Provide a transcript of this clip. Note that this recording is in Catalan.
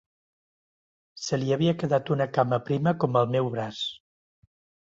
Se li havia quedat una cama prima com el meu braç